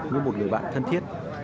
như một người bạn thân thiết